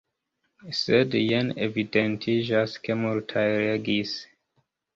Sed jen evidentiĝas, ke multaj legis.